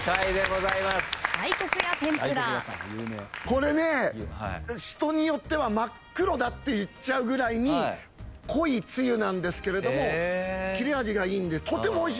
これね人によっては真っ黒だって言うぐらいに濃いつゆなんですけれどもきれ味がいいんでとてもおいしいです。